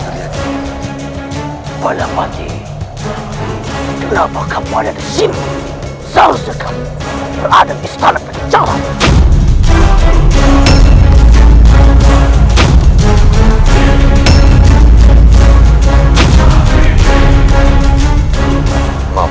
selasi selasi bangun